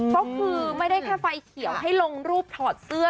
ก็คือไม่ได้แค่ไฟเขียวให้ลงรูปถอดเสื้อ